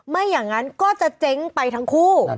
ไม่อย่างนั้นก็จะเจ๊งไปทั้งคู่